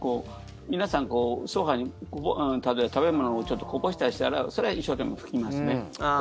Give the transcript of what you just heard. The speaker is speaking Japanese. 皆さん、ソファに例えば食べ物をちょっとこぼしたりしたらそれは一生懸命拭きますね。